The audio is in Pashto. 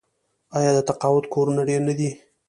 آیا د تقاعد کورونه ډیر نه دي؟